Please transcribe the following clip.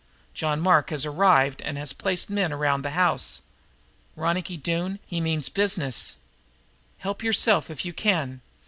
John Mark has arrived and has placed men around the house. Ronicky Doone, he means business. Help yourself if you can.